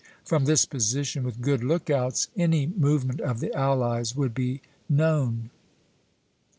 " From this position, with good lookouts, any movement of the allies would be known.